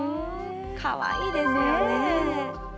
かわいいですよね。